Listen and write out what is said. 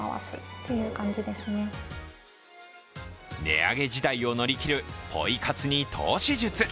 値上げ時代を乗り切るポイ活に投資術。